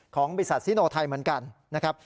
ของบริษัทซิโนไทยเหมือนกันนะครับ